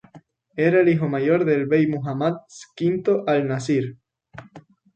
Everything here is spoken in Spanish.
Era el hijo mayor del bey Muhammad V al-Nasir.